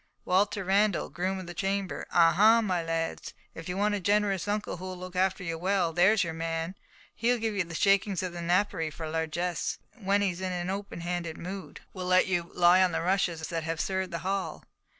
Walter Randall, groom of the chamber; ah, ha! my lads, if you want a generous uncle who will look after you well, there is your man! He'll give you the shakings of the napery for largesse, and when he is in an open handed mood, will let you lie on the rushes that have served the hall.